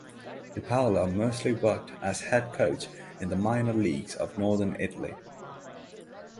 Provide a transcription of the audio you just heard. De Paola mostly worked as head coach in the minor leagues of Northern Italy.